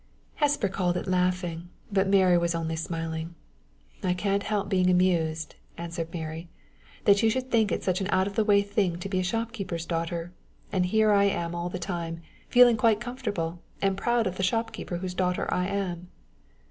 Hesper called it laughing, but Mary was only smiling. "I can't help being amused," answered Mary, "that you should think it such an out of the way thing to be a shopkeeper's daughter, and here am I all the time, feeling quite comfortable, and proud of the shopkeeper whose daughter I am."